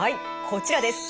こちらです。